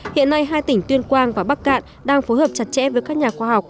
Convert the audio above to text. hiện nay hai tỉnh tuyên quang và bắc cạn đang phối hợp chặt chẽ với các nhà khoa học